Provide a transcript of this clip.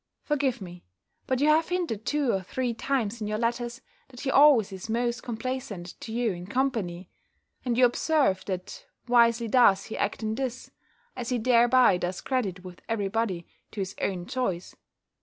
Forgive me But you have hinted two or three times, in your letters, that he always is most complaisant to you in company; and you observe, that wisely does he act in this, as he thereby does credit with every body to his own choice.